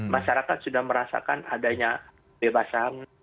masyarakat sudah merasakan adanya bebasan